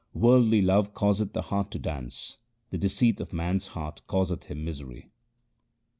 Wordly love causeth the heart to dance ; the deceit of man's heart causeth him misery.